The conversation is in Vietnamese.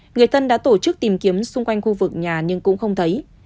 người thân đã tổ chức tìm kiếm xung quanh khu vực nhà nhưng cũng không thấy